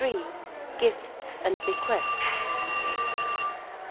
33. GIFTS AND BEQUESTS.